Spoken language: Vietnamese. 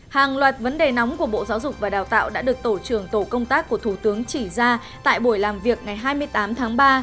hàng loạt vấn đề nóng của bộ giáo dục và đào tạo đã được tổ trưởng tổ công tác của thủ tướng chỉ ra tại buổi làm việc ngày hai mươi tám tháng ba